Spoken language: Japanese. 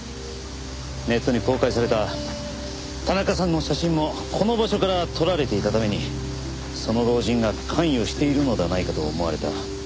ネットに公開された田中さんの写真もこの場所から撮られていたためにその老人が関与しているのではないかと思われた。